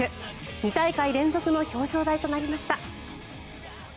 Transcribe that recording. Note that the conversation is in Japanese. ２大会連続の表彰台となりました。